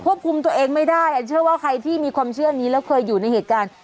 คุมตัวเองไม่ได้อันเชื่อว่าใครที่มีความเชื่อนี้แล้วเคยอยู่ในเหตุการณ์